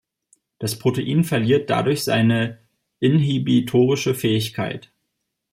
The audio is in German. Das Protein verliert dadurch seine inhibitorische Fähigkeit.